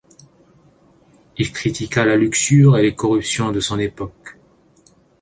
Il critiqua la luxure et les corruptions de son époque.